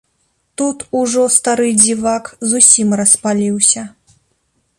Тут ужо стары дзівак зусім распаліўся.